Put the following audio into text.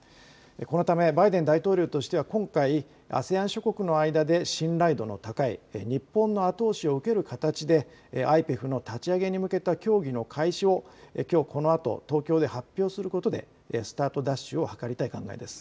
このためバイデン大統領としては今回、ＡＳＥＡＮ諸国の間で信頼度の高い日本の後押しを受ける形でＩＰＥＦの立ち上げに向けた協議の開始をきょうこのあと東京で発表することでスタートダッシュを図りたい考えです。